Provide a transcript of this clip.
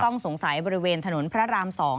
ต้องสงสัยบริเวณถนนพระราม๒